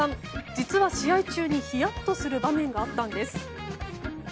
実は試合中にヒヤッとする場面があったんです。